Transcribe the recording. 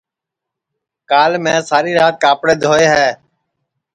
کال میں ساری رات کاپڑے دھوئے ہے